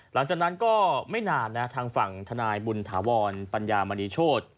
หลังจากนั้นก็ไม่นานนะทางฝั่งทนายบุญถาวรปัญญามณีโชธ